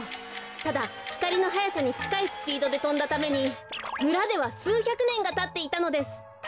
ただひかりのはやさにちかいスピードでとんだためにむらではすうひゃくねんがたっていたのです。